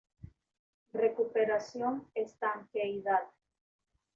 Recuperación estanqueidad.